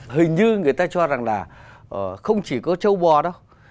hình như người ta cho rằng là không chỉ có châu bò đâu